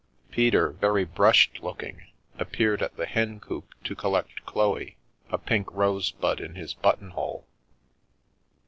Peter, very brushed looking, appeared at the Hencoop to collect Chloe, a pink rosebud in his buttonhole.